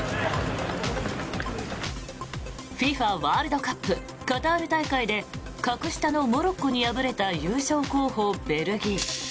ワールドカップカタール大会で格下のモロッコに敗れた優勝候補のベルギー。